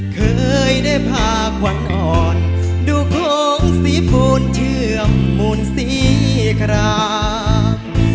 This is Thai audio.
เคยได้พาขวัญอ่อนดูโค้งสีปูนเชื่อมมูลสีครับ